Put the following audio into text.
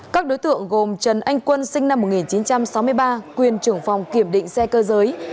các đối tượng gồm trần anh quân sinh năm một nghìn chín trăm sáu mươi ba quyền trưởng phòng kiểm định xe cơ giới